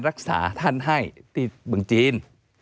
รักษาท่านให้ที่เมืองจีน